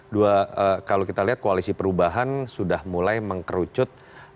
dua kalau kita lihat koalisi perubahan sudah mulai mengkerucut